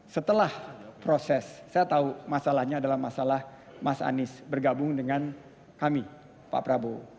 setelah proses saya tahu masalahnya adalah masalah mas anies bergabung dengan kami pak prabowo